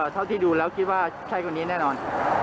เท่าที่ดูแล้วคิดว่าใช่คนนี้แน่นอน